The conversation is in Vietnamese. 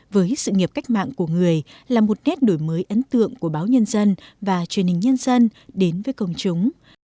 với sự nghiệp cách mạng của người là một nét đổi mới ấn tượng của báo nhân dân và truyền hình nhân dân đến với công chúng